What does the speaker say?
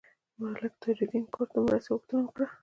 ملک تاج الدین کرد د مرستې غوښتنه وکړه.